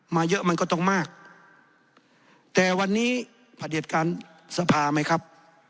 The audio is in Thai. มาเยอะมันก็ต้องมากแต่วันนี้พระเด็จการสภาไหมครับ